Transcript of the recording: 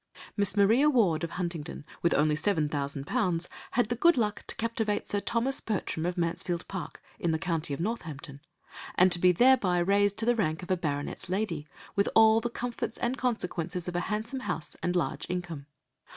"Miss Maria Ward of Huntingdon, with only seven thousand pounds, had the good luck to captivate Sir Thomas Bertram of Mansfield Park, in the county of Northampton, and to be thereby raised to the rank of a baronet's lady, with all the comforts and consequences of a handsome house and large income.